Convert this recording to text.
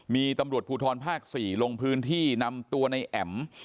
มีตำรวจภูทรภาค๔ลงพื้นที่นำตัวในแอ๋ม